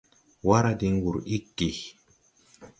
Wara diŋ wur iggi.